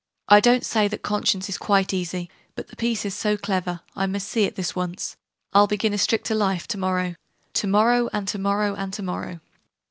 I don't say that conscience is quite easy: but the piece is so clever, I must see it this once! I'll begin a stricter life to morrow." To morrow, and to morrow, and tomorrow!